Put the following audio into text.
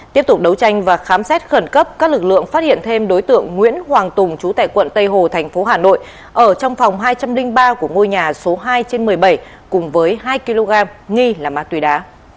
tiếp tục đấu tranh và khám xét khẩn cấp các lực lượng phát hiện thêm đối tượng nguyễn hoàng tùng trú tại quận tây hồ thành phố hà nội ở trong phòng hai trăm linh ba của ngôi nhà số hai trên một mươi bảy cùng với hai kg nghi là ma túy đá